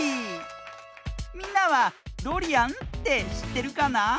みんなはドリアンってしってるかな？